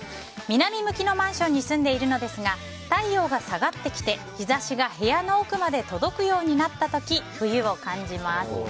南向きのマンションに住んでいるのですが太陽が下がってきて日差しが部屋の奥まで届くようになった時冬を感じます。